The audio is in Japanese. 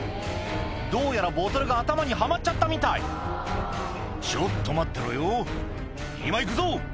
どうやらボトルが頭にはまっちゃったみたい「ちょっと待ってろよ今いくぞ！」